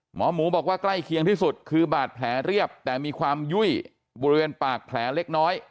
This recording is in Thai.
หมอหมูบอกว่าใกล้เคียงที่สุดคือบาดแผลเรียบแต่มีความยุ่ยบริเวณปากแผลเล็กน้อย